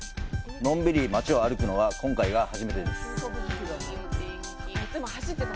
のんびり町を歩くのは今回が初めてです。